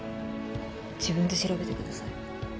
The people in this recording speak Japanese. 自分で調べてください。